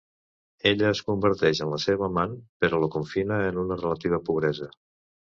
Ella es converteix en la seva amant, però la confina en una relativa pobresa.